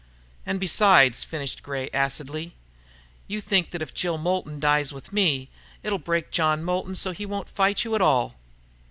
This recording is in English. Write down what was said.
"And besides," finished Gray acidly, "you think that if Jill Moulton dies with me, it'll break John Moulton so he won't fight you at all."